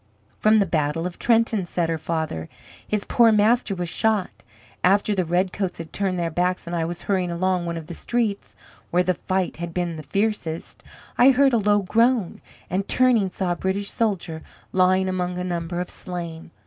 "From the battle of Trenton," said her father. "His poor master was shot. After the red coats had turned their backs, and I was hurrying along one of the streets where the fight had been the fiercest, I heard a low groan, and, turning, saw a British officer lying among a number of slain.